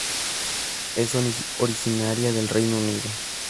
Es originaria del Reino Unido.